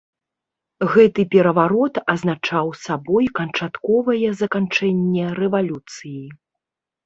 Гэты пераварот азначаў сабой канчатковае заканчэнне рэвалюцыі.